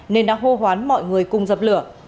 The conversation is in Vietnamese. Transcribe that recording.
nên đã hô hoán mọi người cùng dập lửa